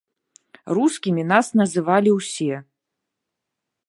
Рускімі нас называлі ўсе.